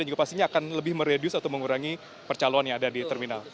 dan juga pastinya akan lebih meredius atau mengurangi percalon yang ada di terminal